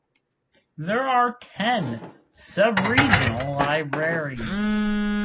There are ten subregional libraries.